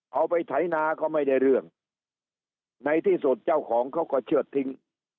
ไปไถนาก็ไม่ได้เรื่องในที่สุดเจ้าของเขาก็เชื่อทิ้ง